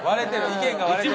意見が割れてるのよ。